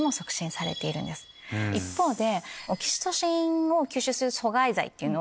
一方で。